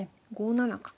５七角。